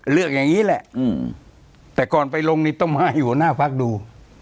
อย่างนี้แหละแต่ก่อนไปลงนี่ต้องมาให้หัวหน้าพักดู